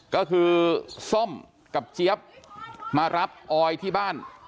ก็คือส้มกับเจี๊ยบมารับออยที่บ้าน